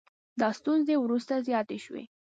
دا ستونزې وروسته زیاتې شوې